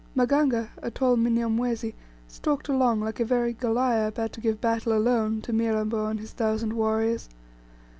Maganga, a tall Mnyamwezi, stalked along like a very Goliah about to give battle alone, to Mirambo and his thousand warriors.